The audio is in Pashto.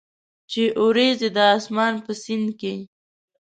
چې اوریځي د اسمان په سیند کې،